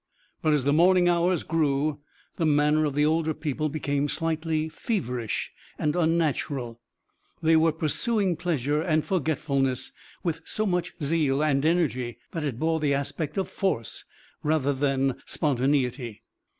But as the morning hours grew the manner of the older people became slightly feverish and unnatural. They were pursuing pleasure and forgetfulness with so much zeal and energy that it bore the aspect of force rather than spontaneity.